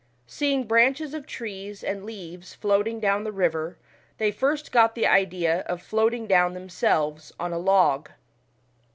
Seeing branches of trees and leaves floating down the river, they first got +he idea of floating down themselves on a log.